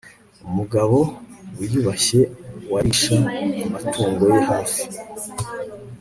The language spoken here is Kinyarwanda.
Umugabo wiyubashye warisha amatungo ye hafi